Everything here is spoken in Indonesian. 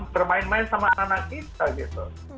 bermain main sama anak anak kita gitu